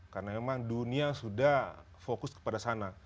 karena emang dunia sudah fokus kepada sana